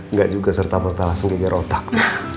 nggak juga serta merta langsung geger otak pak